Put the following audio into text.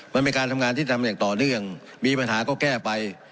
มันเป็นการทำงานที่ทำอย่างต่อเนื่องมีปัญหาก็แก้ไป